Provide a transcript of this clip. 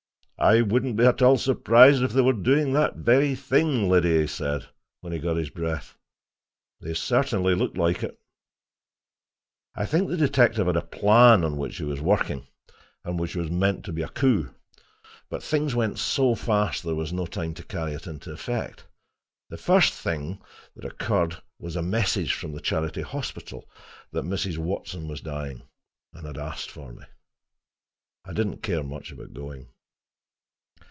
"I wouldn't be at all surprised if they were doing that very thing, Liddy," he said, when he got his breath. "They certainly look like it." I think the detective had a plan, on which he was working, and which was meant to be a coup. But things went so fast there was no time to carry it into effect. The first thing that occurred was a message from the Charity Hospital that Mrs. Watson was dying, and had asked for me. I did not care much about going.